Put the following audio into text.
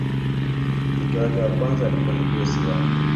mke wake wa kwanza alikuwa ni grace wahu